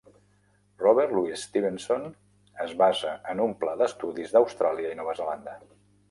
Robert Louis Stevenson es basa en un pla d'estudis d'Austràlia i Nova Zelanda.